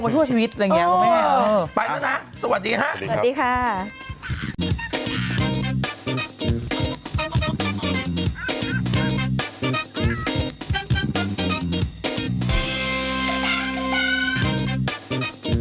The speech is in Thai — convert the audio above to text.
แป้งหัวหลัดหัวหลงถ้าถาดเพียงครั้งก็งวงไปชั่วชีวิตอะไรอย่างนี้ก็ไม่ได้